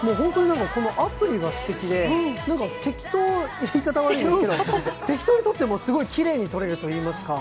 このアプリがすてきで、言い方悪いですけど、適当に撮っても、すごいきれいに撮れるといいますか。